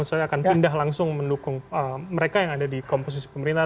saya akan pindah langsung mendukung mereka yang ada di komposisi pemerintah